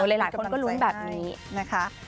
เออหลายคนก็รุ้งแบบนี้นะคะจะบังใจได้